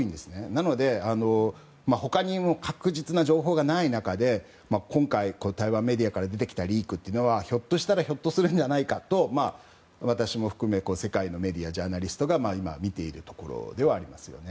なので、他に確実な情報がない中で今回台湾メディアから出てきたリークはひょっとしたらひょっとするのではないかと私も含め世界のメディアジャーナリストがみているところではあります。